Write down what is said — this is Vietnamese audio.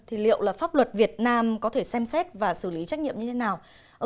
thì liệu là pháp luật việt nam có thể xem xét và xử lý trách nhiệm như thế nào